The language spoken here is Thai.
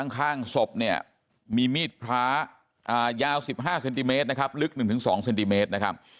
ข้างศพเนี่ยมีมีดพระยาว๑๕เซนติเมตรนะครับลึก๑๒เซนติเมตรนะครับ